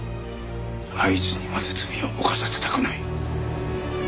あいつにまで罪を犯させたくない。